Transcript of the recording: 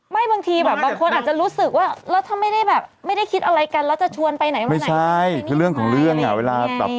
ไม่บางทีแบบบางคนอาจจะรู้สึกว่า